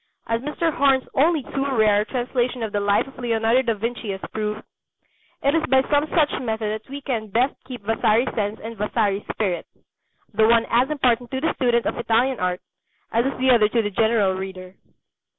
As Mr. Horne's only too rare translation of the Life of Leonardo da Vinci has proved, it is by some such method that we can best keep Vasari's sense and Vasari's spirit the one as important to the student of Italian art as is the other to the general reader.